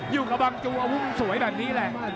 อยู่กับบังจูอาวุธสวยแบบนี้แหละ